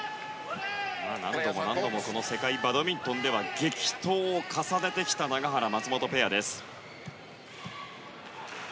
何度も何度も世界バドミントンでは激闘を重ねてきた永原、松本ペアです。